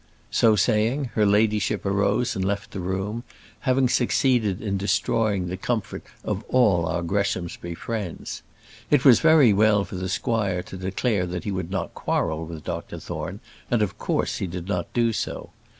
So saying, her ladyship arose and left the room, having succeeded in destroying the comfort of all our Greshamsbury friends. It was very well for the squire to declare that he would not quarrel with Dr Thorne, and of course he did not do so.